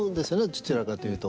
どちらかというと。